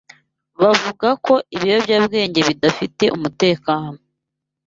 Bavuga ko ibiyobyabwenge bidafite umutekano.